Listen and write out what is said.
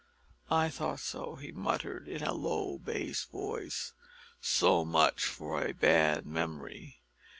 "I thought so," he muttered in a low bass voice; "so much for a bad memory."